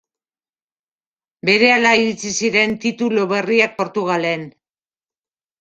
Berehala iritsi ziren titulu berriak Portugalen.